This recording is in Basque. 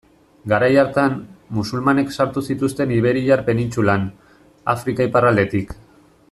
Garai hartan, musulmanek sartu zituzten Iberiar penintsulan, Afrika iparraldetik.